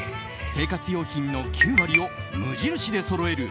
生活用品の９割を無印でそろえる